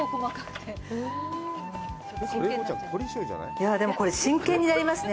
いや、でもこれ、真剣になりますね。